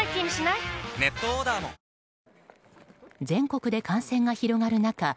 全国で感染が広がる中